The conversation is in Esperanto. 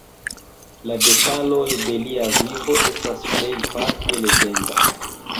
La detaloj de lia vivo estas plejparte legenda.